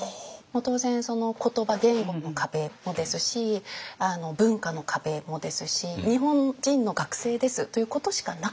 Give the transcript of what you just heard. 当然言葉言語の壁もですし文化の壁もですし日本人の学生ですということしかなかったんですね。